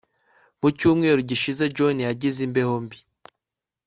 Mu cyumweru gishize John yagize imbeho mbi